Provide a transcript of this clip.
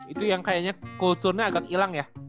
itu yang kayaknya kulturnya agak hilang ya